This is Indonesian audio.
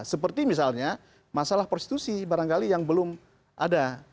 seperti misalnya masalah prostitusi barangkali yang belum ada